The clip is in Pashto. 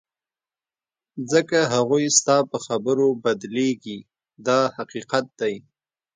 ځکه هغوی ستا په خبرو بدلیږي دا حقیقت دی.